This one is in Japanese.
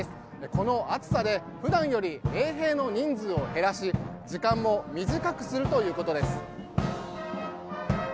この暑さで、普段より衛兵の人数を減らし時間も短くするということです。